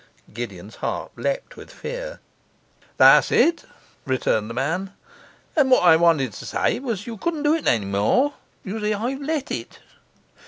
Gideon's heart leaped with fear. 'That's it,' returned the man. 'And what I wanted to say was as you couldn't do it any more. You see I've let it.